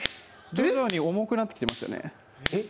徐々に重くなってきてますよね？